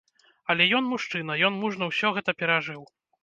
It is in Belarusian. Але ён мужчына, ён мужна ўсё гэта перажыў.